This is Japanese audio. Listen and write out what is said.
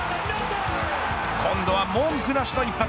今度は文句なしの一発。